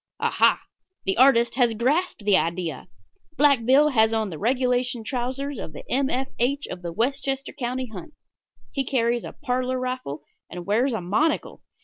Aha! the artist has grasped the idea. Black Bill has on the regulation trousers of the M. F. H. of the Westchester County Hunt. He carries a parlor rifle, and wears a monocle.